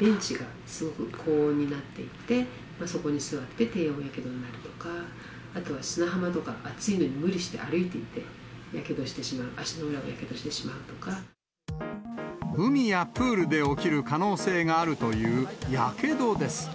ベンチがすごく高温になっていて、そこに座って低温やけどになるとか、あとは砂浜とか、熱いのに無理して歩いていって、やけどしてしまう、足の裏をやけ海やプールで起きる可能性があるというやけどです。